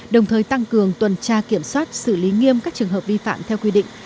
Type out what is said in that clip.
đồng thời tăng cường tuần tra kiểm soát xử lý nghiêm các trường hợp vi phạm theo quy định